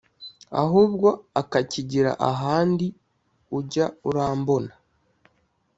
ahubwo akakigira ahandi ujya urambona